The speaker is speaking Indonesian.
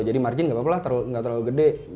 jadi margin nggak apa apa lah nggak terlalu gede